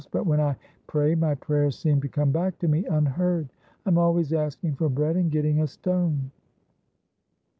But when I pray, my prayers seem to come back to me unheard. I am always asking for bread, and getting a stone.'